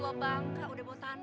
gue kagak sangat denger kan